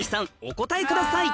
お答えください